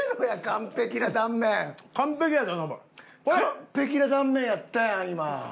完璧な断面やったやん今。